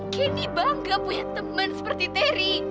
kini bangga punya teman seperti terry